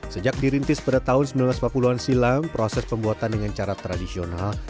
sejak dirintis pada tahun seribu sembilan ratus empat puluh an silam proses pembuatan dengan cara tradisional